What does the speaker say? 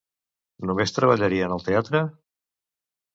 Només treballaria en el teatre?